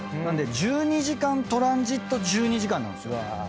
なんで１２時間トランジット１２時間なんですよ。